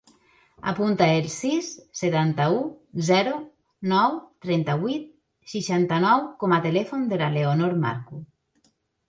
Apunta el sis, setanta-u, zero, nou, trenta-vuit, seixanta-nou com a telèfon de la Leonor Marcu.